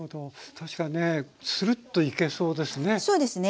確かにねつるっといけそうですね。